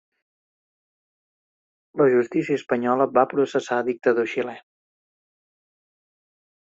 La Justícia Espanyola va processar dictador xilè.